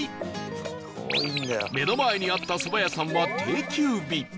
目の前にあった蕎麦屋さんは定休日